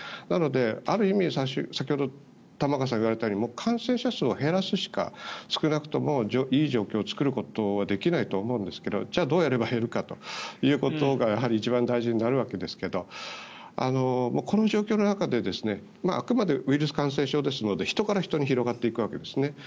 なので、ある意味先ほど玉川さんが言われたように感染者数を減らすしか少なくともいい状況を作ることはできないと思うんですがじゃあどうやれば減るかということがやはり一番大事になるわけですがこの状況の中であくまでウイルス感染症ですので人から人に広がっていくわけですね。